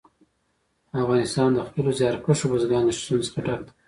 افغانستان د خپلو زیارکښو بزګانو له شتون څخه ډک دی.